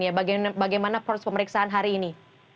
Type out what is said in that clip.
ya bagaimana proses pemeriksaan hari ini